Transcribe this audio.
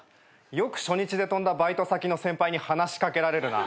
よく初日で飛んだバイト先の先輩に話し掛けられるな。